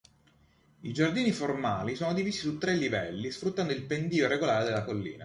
I giardini formali sono divisi su tre livelli, sfruttando il pendio irregolare della collina.